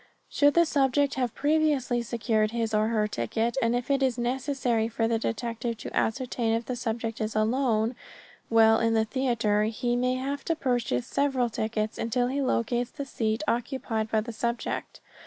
Should the subject have previously secured his or her ticket and if it is necessary for the detective to ascertain if the subject is alone while in the theater, he may have to purchase several tickets until he locates the seat occupied by the subject.